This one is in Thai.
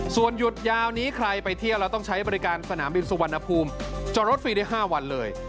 ส่วนหยุดยาวนี้ใครไปเที่ยวแล้วต้องใช้บริการสนามบินสุวรรณภูมิจอดรถฟรีได้๕วันเลย